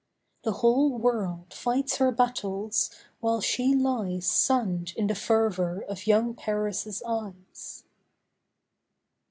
The whole world fights her battles, while she lies Sunned in the fervour of young Paris' eyes.